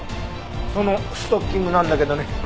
そのストッキングなんだけどね